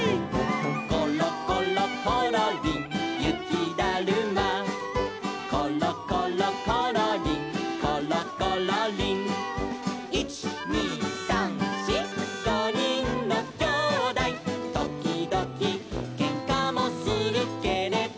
「ころころころりんゆきだるま」「ころころころりんころころりん」「いちにさんしごにんのきょうだい」「ときどきけんかもするけれど」